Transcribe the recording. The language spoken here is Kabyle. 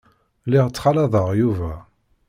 Lliɣ ttxalaḍeɣ Yuba.